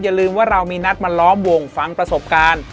อย่าลืมว่าเรามีนัดมาล้อมวงฟังประสบการณ์